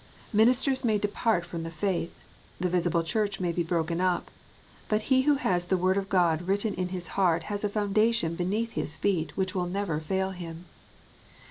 Ministers may depart from the faith. The visible Church may be broken up. But he who has the Word of God written in his heart has a foundation beneath his feet which will never fail him.